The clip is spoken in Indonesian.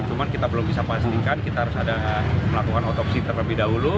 cuman kita belum bisa pastikan kita harus ada melakukan otopsi terlebih dahulu